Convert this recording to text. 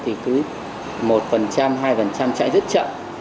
thì cứ một hai chạy rất chậm